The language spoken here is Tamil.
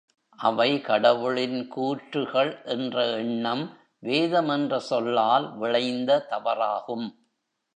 அவை கடவுளின் கூற்றுகள் என்ற எண்ணம் வேதம் என்ற சொல்லால் விளைந்த தவறாகும்.